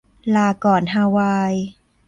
ลาก่อนฮาวาย